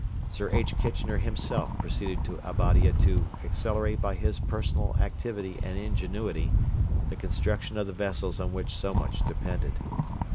Sir H. Kitchener himself proceeded to Abadia to accelerate by his personal activity and ingenuity the construction of the vessels on which so much depended.